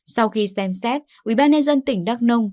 sau khi xem xét ubnd tỉnh đắc nông